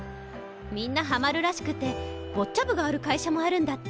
みんなハマるらしくてボッチャ部がある会社もあるんだって。